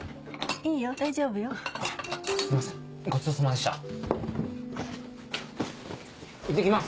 いってきます！